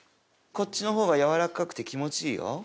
こっちの方が柔らかくて気持ちいいよ。